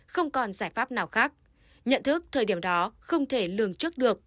không còn giải pháp nào khác nhận thức thời điểm đó không thể lường trước được